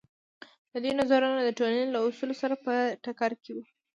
د دوی نظرونه د ټولنې له اصولو سره په ټکر کې وو.